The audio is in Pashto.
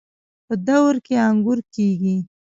په درو کې انګور کیږي.